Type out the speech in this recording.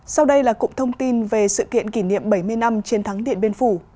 sau đây là cụm thông tin về sự kiện kỷ niệm bảy mươi năm chiến thắng điện biên phủ